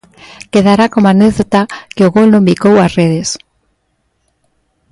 Quedará como anécdota que o gol non bicou as redes.